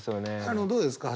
あのどうですか？